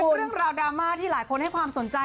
เรื่องราวดราม่าที่หลายคนให้ความสนใจ